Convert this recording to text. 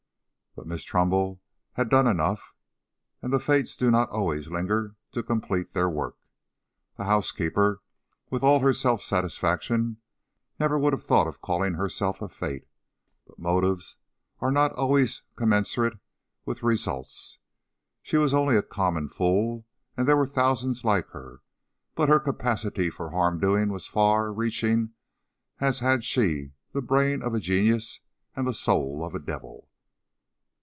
But Miss Trumbull had done enough, and the Fates do not always linger to complete their work. The housekeeper, with all her self satisfaction, never would have thought of calling herself a Fate; but motives are not always commensurate with results. She was only a common fool, and there were thousands like her, but her capacity for harm doing was as far reaching as had she had the brain of a genius and the soul of a devil.